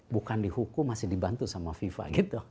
bukan dihukum masih dibantu sama fifa gitu